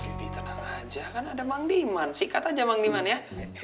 ah bibit tenang aja kan ada mangdiman sih katanya mangdiman ya